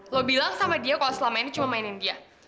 lo bilang sama dia kalau selama ini cuma mainin dia